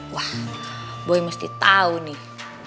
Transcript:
wah boy mesti tahu nih